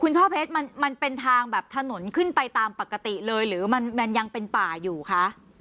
ช่อเพชรมันเป็นทางแบบถนนขึ้นไปตามปกติเลยหรือมันยังเป็นป่าอยู่คะ